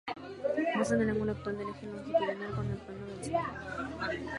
Muestran el ángulo actual del eje longitudinal con el plano del suelo.